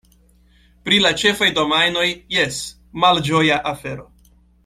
Pri la ĉefaj domajnoj, jes, malĝoja afero.